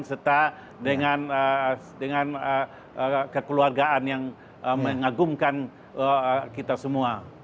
serta dengan kekeluargaan yang mengagumkan kita semua